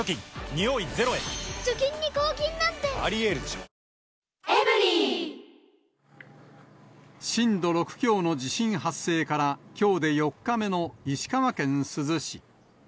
もうどうしたらいいか分から震度６強の地震発生からきょうで４日目の石川県珠洲市。